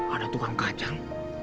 ada tukang kacang